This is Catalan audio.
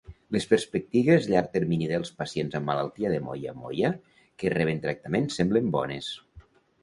Les perspectives a llarg termini dels pacients amb malaltia de Moya moya que reben tractament semblen bones.